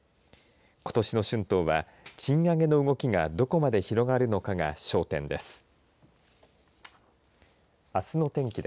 ことしの春闘は賃上げの動きがどこまで広がるのかが焦点です。